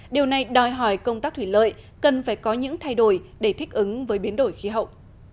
điều này đòi hỏi công tác thủy lợi cần phải có những thay đổi để thích ứng với biến đổi khí hậu